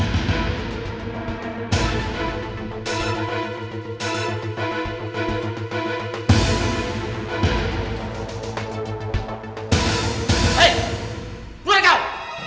hei keluar kau